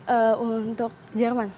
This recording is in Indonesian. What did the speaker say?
ehm untuk jerman